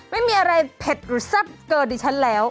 ไม่มีอะไรเผ็ดหรือแซ่บเกินดิฉันแล้ว